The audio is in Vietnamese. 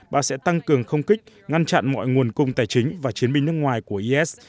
bà sẽ tăng cường không kích ngăn chặn mọi nguồn cung tài chính và chiến binh nước ngoài của is